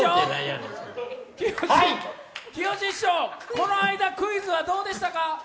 この間、クイズはどうでしたか？